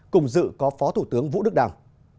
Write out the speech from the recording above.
cùng dự có phó thủ tướng vũ đức đảng